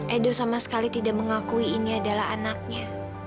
edo sama sekali tidak mengakui ini adalah anaknya